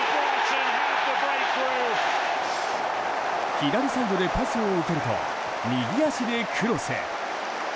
左サイドでパスを受けると右足でクロス。